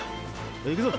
行くぞ！